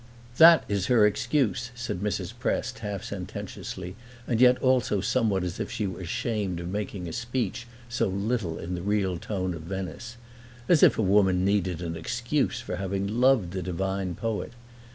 "That is her excuse," said Mrs. Prest, half sententiously and yet also somewhat as if she were ashamed of making a speech so little in the real tone of Venice. As if a woman needed an excuse for having loved the divine poet!